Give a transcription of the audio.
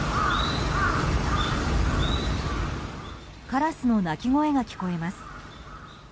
カラスの鳴き声が聞こえます。